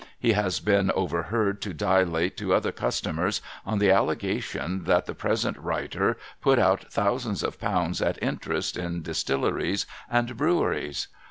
He has been overheard to dilate to other customers on the allegation that the present writer put out thousands of pounds at interest in Dis tilleries and Breweries.